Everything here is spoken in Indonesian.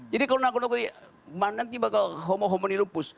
jadi kalau nanti bakal homo homini lupus